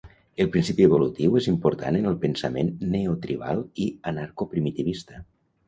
El principi evolutiu és important en el pensament neotribal i anarcoprimitivista.